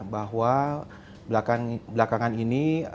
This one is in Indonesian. bahwa belakangan ini